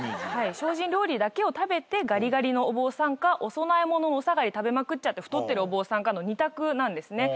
精進料理だけを食べてガリガリのお坊さんかお供え物のお下がり食べまくっちゃって太ってるお坊さんかの２択なんですね。